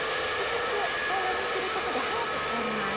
薄く平らにすることで早く凍ります。